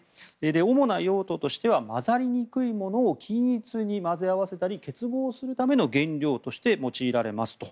主な用途としては混ざりにくいものを均一に混ぜ合わせたり結合するための原料として用いられますと。